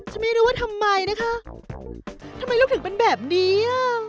ฉันไม่รู้ว่าทำไมทำไมลูกถึงเป็นแบบนี้